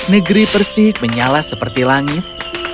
negeri persik menyala seperti langit